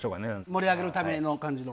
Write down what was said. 盛り上げるための感じの。